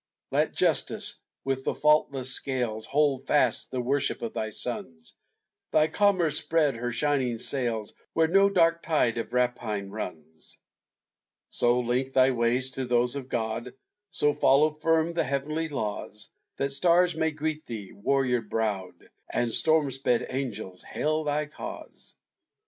Let Justice, with the faultless scales, Hold fast the worship of thy sons; Thy Commerce spread her shining sails Where no dark tide of rapine runs! So link thy ways to those of God, So follow firm the heavenly laws, That stars may greet thee, warrior browed, And storm sped angels hail thy cause!